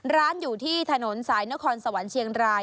ร้านอยู่ที่ถนนสายนครสวรรค์เชียงราย